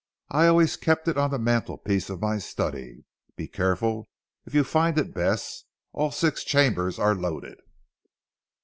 I always kept it on the mantelpiece of my study. Be careful if you find it Bess. All six chambers are loaded."